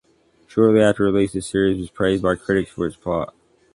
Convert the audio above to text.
Shortly after release the series was praised by critics for its plot